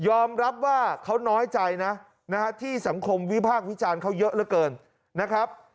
รับว่าเขาน้อยใจนะที่สังคมวิพากษ์วิจารณ์เขาเยอะเหลือเกินนะครับ